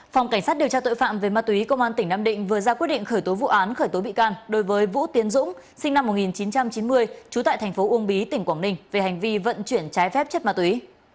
phòng cảnh sát điều tra tội phạm về ma túy công an tỉnh nam định vừa ra quyết định khởi tố vụ án khởi tố bị can đối với vũ tiến dũng sinh năm một nghìn chín trăm chín mươi trú tại thành phố uông bí tỉnh quảng ninh về hành vi vận chuyển trái phép chất ma túy